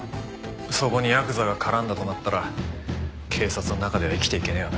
そこにヤクザが絡んだとなったら警察の中では生きていけないわな。